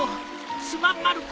すまんまる子